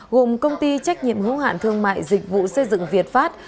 gồm công ty trách nhiệm hữu hạn thương mại dịch vụ xây dựng việt pháp